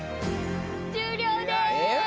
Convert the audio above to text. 終了です！